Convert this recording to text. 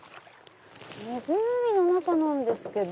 湖の中なんですけど。